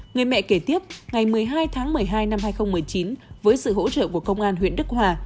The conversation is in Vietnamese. người mẹ kể tiếp ngày một mươi hai tháng một mươi hai năm hai nghìn một mươi chín với sự hỗ trợ của công an huyện đức hòa